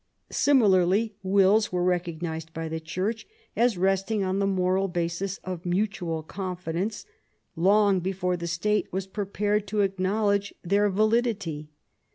Similarly wills were recognised by the Church, as resting on the moral basis of mutual confidence, long before the State was pre pared to acknowledge their validity.